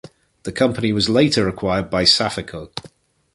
The company was later acquired by Safeco.